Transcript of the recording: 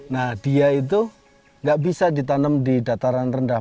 nah dia itu nggak bisa ditanam di dataran rendah